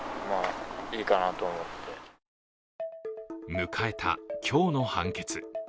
迎えた今日の判決。